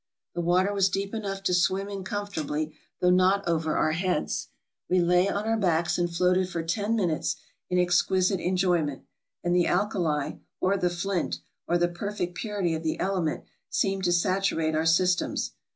The water was deep enough to swim in comfortably, though not over our heads. We lay on our backs and floated for ten minutes in exquisite enjoyment, and the alkali, or the flint, or the perfect purity of the element, seemed to saturate our systems.